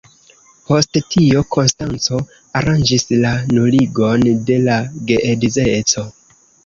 Post tio Konstanco aranĝis la nuligon de la geedzeco.